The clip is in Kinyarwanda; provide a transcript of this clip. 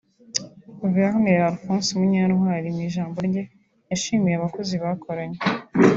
Guverineri Alphonse Munyantwari mu ijambo rye yashimiye abakozi bakoranye